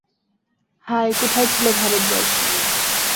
হায়, কোথায় ছিল ভারতবর্ষ!